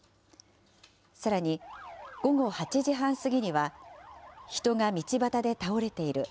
さらに、午後８時半過ぎには、人が道端で倒れている。